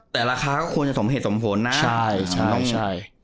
แต่ราคาก็ควรจะสมเหตุสมผลนะใช่ใช่